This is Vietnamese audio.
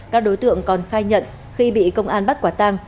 các đối tượng còn khai nhận khi bị công an bắt quả tang